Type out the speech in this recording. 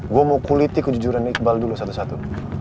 gue mau kuliti kejujuran iqbal dulu satu satu